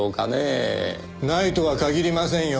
ないとは限りませんよ。